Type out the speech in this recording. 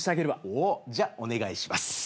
おおじゃあお願いします。